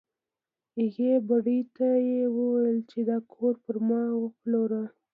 هغې بوډۍ ته یې وویل چې دا کور پر ما وپلوره.